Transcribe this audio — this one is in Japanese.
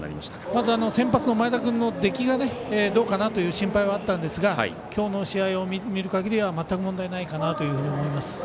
まず先発の前田君の出来がどうかな？というのがありましたが今日の試合を見るかぎりは全く問題ないかなと思います。